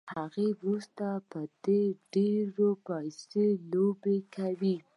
تر هغه وروسته به دوی په ډېرو پيسو لوبې کوي.